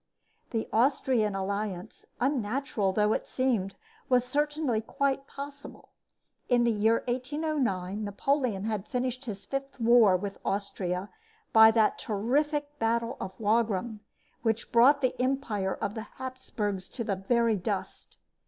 The Austrian alliance, unnatural though it seemed, was certainly quite possible. In the year 1809 Napoleon had finished his fifth war with Austria by the terrific battle of Wagram, which brought the empire of the Hapsburgs to the very dust.